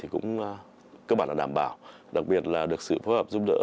cũng cơ bản là đảm bảo đặc biệt là được sự phối hợp giúp đỡ